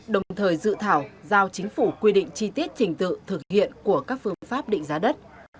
đồng thời dự thảo giao chính phủ quy định chi tiết trình tự thực hiện của các phương pháp định giá đất